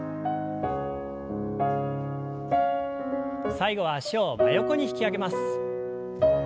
最後は脚を真横に引き上げます。